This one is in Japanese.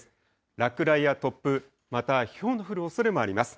落雷や突風、またひょうの降るおそれもあります。